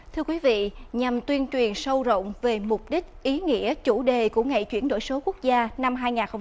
thưa quý vị nhằm tuyên truyền sâu rộng về mục đích ý nghĩa chủ đề của ngày chuyển đổi số quốc gia năm hai nghìn hai mươi ba